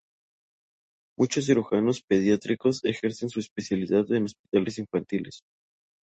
Muchos cirujanos pediátricos ejercen su especialidad en hospitales infantiles.